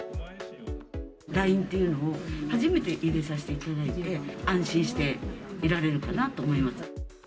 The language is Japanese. ＬＩＮＥっていうのを初めて入れさせていただいて、安心していられるかなと思います。